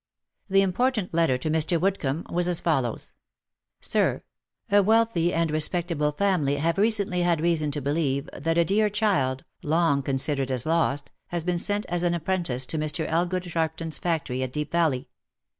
The important letter to Mr. Woodcomb was as follows :" Sir, — A wealthy and respectable family have recently had reason to believe that a dear child, long considered as lost, has been sent as an apprentice to Mr. Elgood Sharpton's factory at Deep Valley.